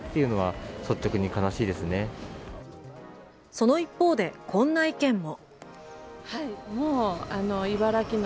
その一方で、こんな意見も。